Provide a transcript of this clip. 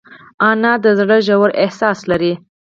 انا د زړه ژور احساس لري